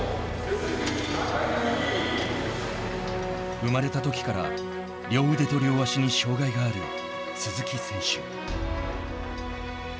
生まれたときから両腕と両足に障害がある鈴木選手。